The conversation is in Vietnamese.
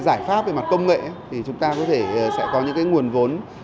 giải pháp về mặt công nghệ thì chúng ta có thể sẽ có những cái nguồn vốn